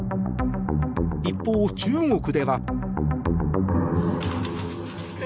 一方、中国では。